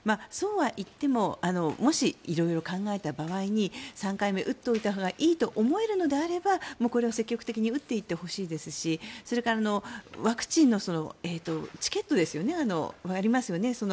そうはいってももし、色々考えた場合に３回目打っておいたほうがいいと思えるのであればこれは積極的に打っていってほしいですしそれから、ワクチンのチケットがありますよね。